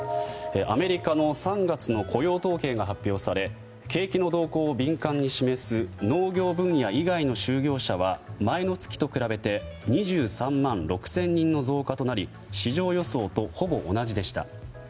アメリカの３月の雇用統計が発表され景気の動向を敏感に示す農業分野以外の就業者は前の月と比べて２３万６０００人の増加となり市場予想とほぼ同じでした。